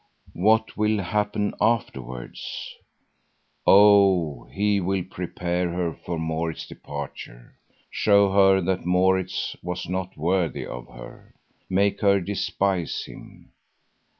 What will happen afterwards? Oh, he will prepare her for Maurits's departure; show her that Maurits was not worthy of her; make her despise him.